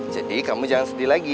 jadi kamu jangan sedih lagi ya